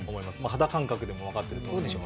肌感覚でも分かっていると思いますし。